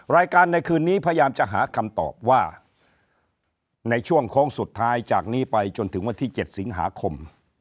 ในคืนนี้พยายามจะหาคำตอบว่าในช่วงโค้งสุดท้ายจากนี้ไปจนถึงวันที่๗สิงหาคม